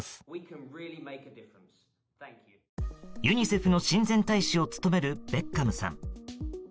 ユニセフの親善大使を務めるベッカムさん。